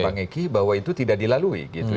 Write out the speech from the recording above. pak egy bahwa itu tidak dilalui